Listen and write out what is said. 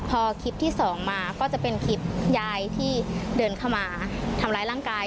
พอคลิปที่สองมาก็จะเป็นคลิปยายที่เดินเข้ามาทำร้ายร่างกาย